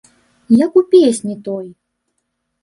Як у песні той.